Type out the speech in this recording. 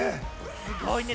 すごいね。